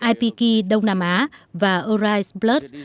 ipk đông nam á và eurice plus